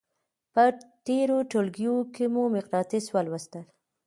په تېرو ټولګیو کې مو مقناطیس ولوستل.